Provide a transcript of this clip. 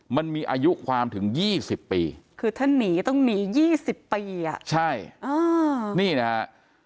มันมีอายุความถึง๒๐ปีคือถ้าหนีต้องหนี๒๐ปีอ่ะใช่นี่นะฮะ